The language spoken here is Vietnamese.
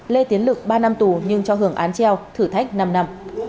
lê tiến lực ba năm tù nhưng cho hưởng án treo thử thách năm năm